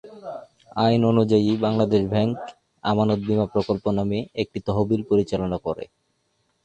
আইন অনুযায়ী বাংলাদেশ ব্যাংক আমানত বীমা প্রকল্প নামে একটি তহবিল পরিচালনা করে।